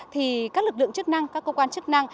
thì các lực lượng chức năng các cơ quan chức năng